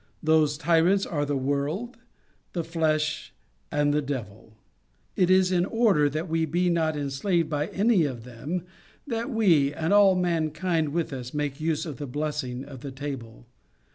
Those tyrants are the world, the flesh, and the devil. It is in order that we be not enslaved by any of them, that we, and all mankind with us, make use of the blessing of the table.